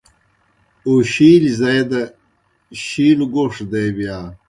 اَوشِیلیْ زائی دہ شِیلوْ گوݜ دے بِیا۔